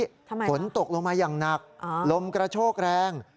ทำไมฝนตกลงมาอย่างหนักลมกระโชกแรง